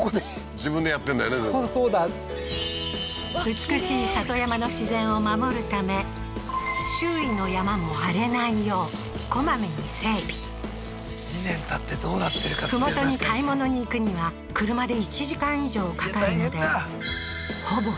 全部そうだ美しい里山の自然を守るため周囲の山も荒れないようこまめに整備麓に買い物に行くには車で１時間以上かかるのでああ